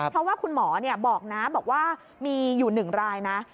เพราะว่าคุณหมอบอกนะบอกว่ามีอยู่๑รายนะ